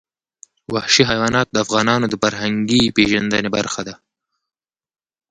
وحشي حیوانات د افغانانو د فرهنګي پیژندنې برخه ده.